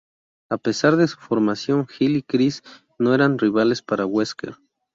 A pesar de su formación, Jill y Chris no eran rivales para Wesker.